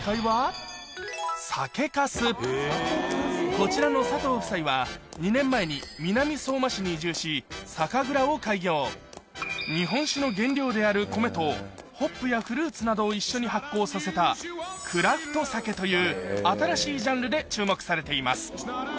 こちらの佐藤夫妻は２年前に日本酒の原料である米とホップやフルーツなどを一緒に発酵させたという新しいジャンルで注目されています